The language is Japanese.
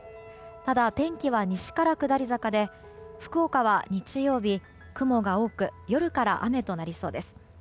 ただ天気は西から下り坂で福岡は日曜日、雲が多く夜から雨となりそうです。